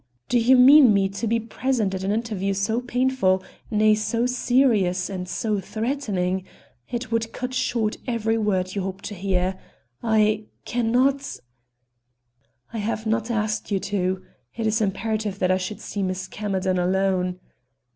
Do you mean me to be present at an interview so painful, nay, so serious and so threatening? It would cut short every word you hope to hear. I can not " "I have not asked you to. It is imperative that I should see Miss Camerden alone."